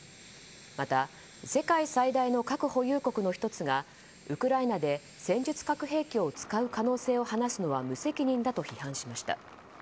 また、世界最大の核保有国の１つがウクライナで戦術核兵器を使う可能性を話すのは無責任だと批判しました。